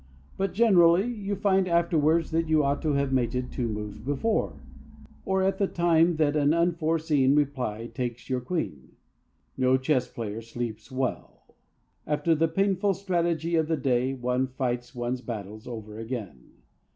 But, generally, you find afterwards that you ought to have mated two moves before, or at the time that an unforeseen reply takes your Queen. No chess player sleeps well. After the painful strategy of the day one fights one's battles over again.